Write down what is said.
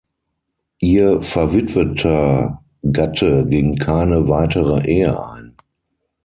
Ihr verwitweter Gatte ging keine weitere Ehe ein.